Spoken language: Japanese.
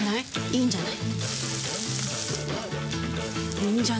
いいんじゃない？